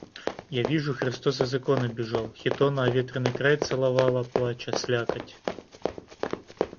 Я вижу, Христос из иконы бежал, хитона оветренный край целовала, плача, слякоть.